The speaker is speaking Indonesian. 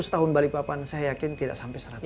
seratus tahun balikpapan saya yakin tidak sampai seratus